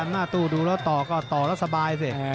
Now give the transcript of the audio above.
หน้าตู้ดูแล้วต่อก็ต่อแล้วสบายสิ